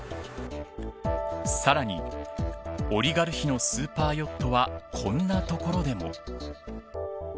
さらに、オリガルヒのスーパーヨットはこんなところでも。